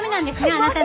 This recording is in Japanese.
あなたの！